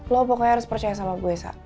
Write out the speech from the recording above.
lo pokoknya harus percaya sama gue esa